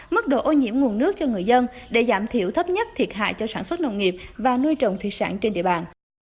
mức độ ô nhiễm nguồn nước cho người dân để giảm thiểu thấp nhất thiệt hại cho sản xuất nông nghiệp và nuôi trồng thủy sản trên địa bàn